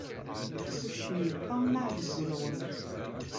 Uccen iṭṭammaɛ deg ulɣem.